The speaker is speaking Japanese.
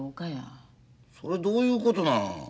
それどういうことなん？